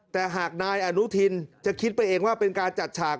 แต่หากนายอนุทินจะคิดไปเองว่าเป็นการจัดฉาก